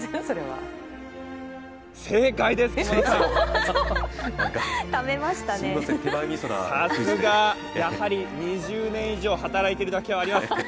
さすが、やはり２０年以上働いているだけあります。